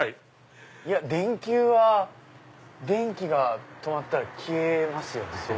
いや電球は電気が止まったら消えますよね。